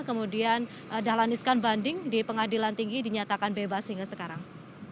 kemudian dahlan iskan banding di pengadilan tinggi dinyatakan bebas hingga sekarang